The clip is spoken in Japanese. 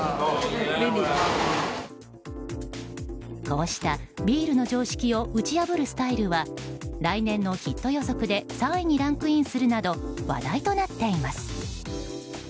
こうしたビールの常識を打ち破るスタイルは来年のヒット予測で３位にランクインするなど話題となっています。